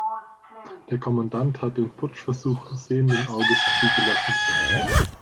Der Kommandant hat den Putschversuch sehenden Auges zugelassen.